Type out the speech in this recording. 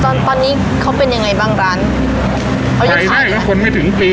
ตอนตอนนี้เขาเป็นยังไงบ้างร้านไฟได้แรกคนไม่ถึงปี